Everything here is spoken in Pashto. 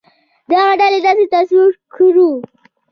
دغه ډلې داسې تصور کړو.